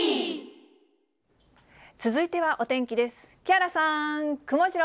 続いてはお天気です。